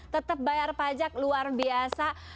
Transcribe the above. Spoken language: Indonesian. tetap bayar pajak luar biasa